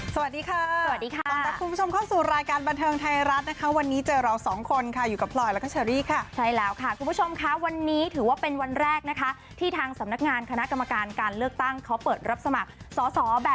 สวัสดีค่ะสวัสดีค่ะตอนนี้คุณผู้ชมเข้าสู่รายการบันเทิงไทยรัฐนะคะ